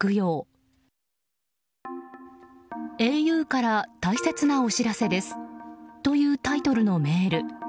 「ａｕから大切なおしらせです」というタイトルのメール。